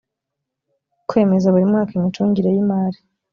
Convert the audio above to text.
kwemeza buri mwaka imicungire y imari